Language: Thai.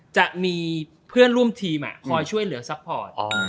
จะมีเพื่อนร่วมทีมคอยช่วยเหลือซัพพอร์ต